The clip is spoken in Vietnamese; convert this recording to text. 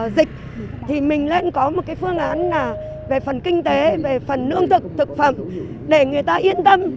dịch thì mình lại có một phương án là về phần kinh tế về phần lương thực thực phẩm để người ta yên tâm